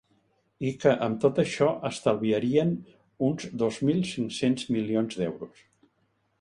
I que amb tot això estalviarien uns dos mil cinc-cents milions d’euros.